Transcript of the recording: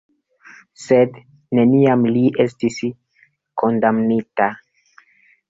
Sed neniam li estis kondamnita.